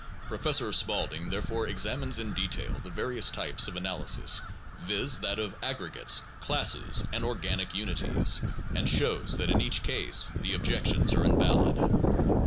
Professor Spaulding, therefore, examines in detail the various types of analysis, viz., that of aggregates, classes, and organic unities, and shows that in each case the objections are invalid.